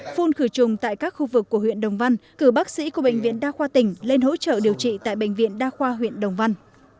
phun khử trùng tại các khu vực của huyện đồng văn cử bác sĩ của bệnh viện đa khoa tỉnh lên hỗ trợ điều trị tại bệnh viện đa khoa huyện đồng văn